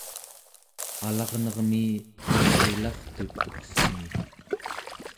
alarnermi elrilartut uksumi